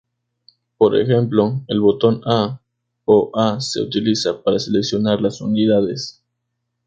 Por ejemplo, el botón A o a se utiliza para seleccionar las unidades.